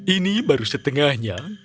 ini baru setengahnya